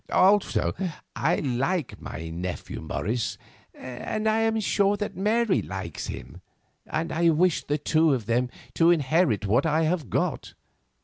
"Also, I like my nephew Morris, and I am sure that Mary likes him, and I'd wish the two of them to inherit what I have got.